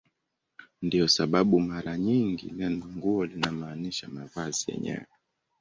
Ndiyo sababu mara nyingi neno "nguo" linamaanisha mavazi yenyewe.